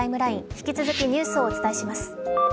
引き続きニュースをお伝えします。